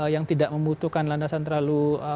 yang tidak membutuhkan landasan terlalu